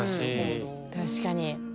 確かに。